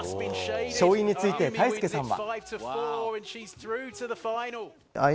勝因についてタイスケさんは。